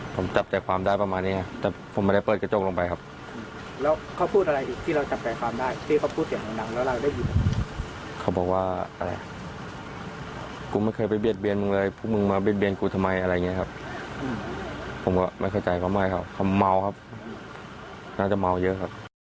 ผมก็ไม่เข้าใจกว่าไม่ครับเขาเมาครับน่าจะเมาเยอะครับ